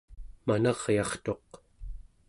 manaryartuq